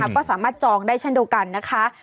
ก็สามารถจองได้เช่นเดียวกันนะคะ